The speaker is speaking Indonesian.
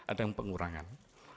ada yang pengurangan